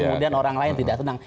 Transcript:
kemudian orang lain tidak senang